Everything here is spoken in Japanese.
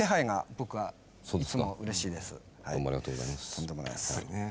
とんでもないです。